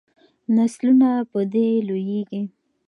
نسلونه په دې لویږي.